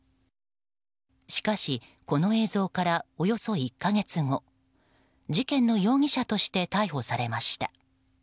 しかし、この映像からおよそ１か月後事件の容疑者として逮捕されました。